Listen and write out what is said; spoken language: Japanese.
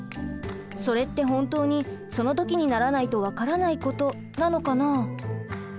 それって本当にそのときにならないとわからないことなのかな？